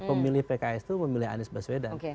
pemilih pks itu memilih anies baswedan